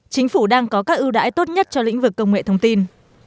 chính phủ đang có các ưu đãi tốt nhất cho lĩnh vực công nghệ thông tin